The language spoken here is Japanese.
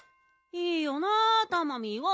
いいよなタマミーは。